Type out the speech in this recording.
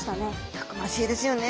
たくましいですよね。